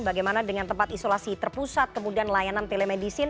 bagaimana dengan tempat isolasi terpusat kemudian layanan telemedicine